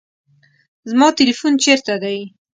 زما تلیفون چیرته دی؟